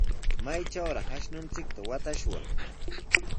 ¿Maytrawraq ashnunchikta watashwan?